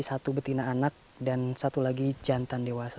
satu betina anak dan satu lagi jantan dewasa